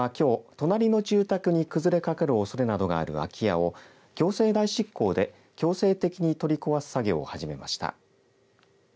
白石町は、きょう隣の住宅に崩れかかるおそれなどがある空き家を、行政代執行で強制的に取り壊す作業を始めました。